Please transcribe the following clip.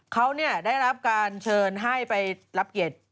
เขาได้รับการเชิญให้ไปรับเกียรติ